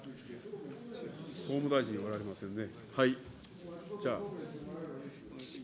総務大臣おられませんね。